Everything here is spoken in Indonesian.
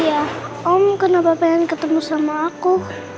iya om kenapa pengen ketemu sama aku